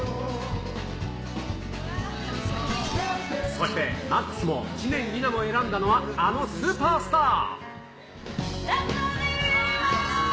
そしてＭＡＸも知念里奈も選んだのは、あのスーパースター。